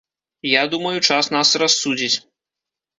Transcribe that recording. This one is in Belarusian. Я думаю, час нас рассудзіць.